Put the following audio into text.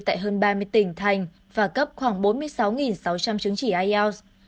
tại hơn ba mươi tỉnh thành và cấp khoảng bốn mươi sáu sáu trăm linh chứng chỉ ielts